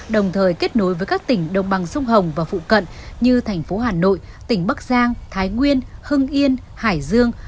đồng thời kết nối với các tỉnh đồng bằng sông hồng và phụ cận như thành phố hà nội tỉnh bắc giang thái nguyên hưng yên hải dương